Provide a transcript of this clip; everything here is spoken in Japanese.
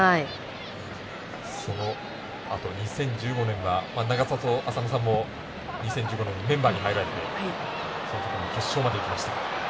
そのあと２０１５年は永里亜紗乃さんも２０１５年のメンバーに入られて決勝までいきました。